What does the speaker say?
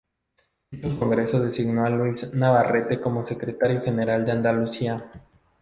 Dicho congreso designó a Luis Navarrete como Secretario General de Andalucía.